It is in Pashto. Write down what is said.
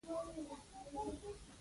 ها کوتره د زیارت